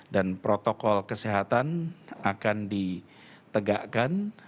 dan protokol kesehatan akan ditegakkan